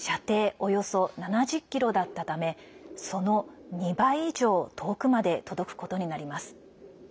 およそ７０ｋｍだったためその２倍以上遠くまで届くことになります。